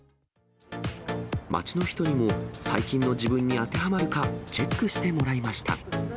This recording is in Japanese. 街の人にも最近の自分に当てはまるかチェックしてもらいました。